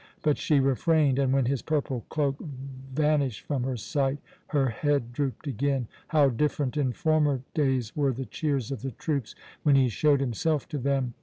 But she refrained, and when his purple cloak vanished from her sight her head drooped again. How different in former days were the cheers of the troops when he showed himself to them!